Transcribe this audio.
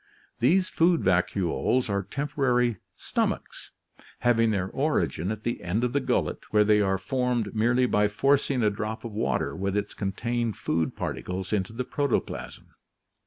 These food vacuoles are tempo rary "stomachs," having their origin at the end of the gullet, where they are formed merely by forcing a drop of water with its contained food particles into the protoplasm.